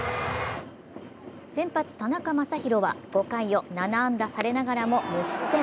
先発・田中将大は５回を７安打されながらも無失点。